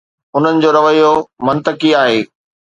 انهن جو رويو منطقي آهي.